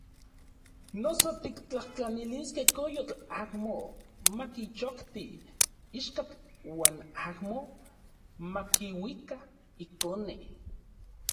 Noso tiktlajtlaniliskej koyotl amo makichokti ichkatl uan amo makiuika ikone.